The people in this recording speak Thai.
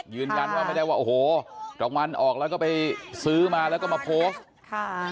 ยืนแกลันว่าโอโหของวัลออกแล้วก็ไปซื้อมาแล้วก็มาโพสต์